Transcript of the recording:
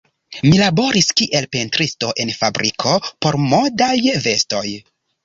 Mi laboris kiel pentristo en fabriko por modaj vestoj.